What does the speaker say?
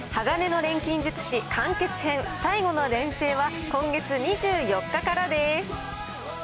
鋼の錬金術師・完結編・最後の錬成は、今月２４日からです。